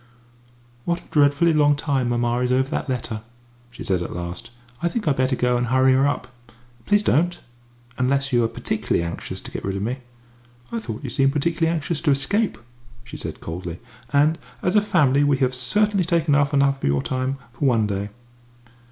"What a dreadfully long time mamma is over that letter!" she said at last. "I think I'd better go and hurry her up." "Please don't unless you are particularly anxious to get rid of me." "I thought you seemed particularly anxious to escape," she said coldly. "And, as a family, we have certainly taken up quite enough of your time for one day."